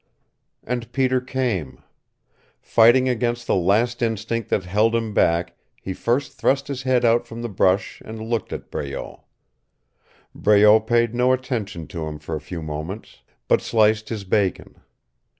And Peter came. Fighting against the last instinct that held him back he first thrust his head out from the brush and looked at Breault. Breault paid no attention to him for a few moments, but sliced his bacon.